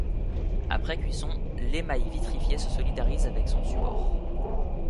Après cuisson, l'émail vitrifié se solidarise avec son support.